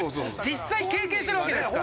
実際経験してるわけですから。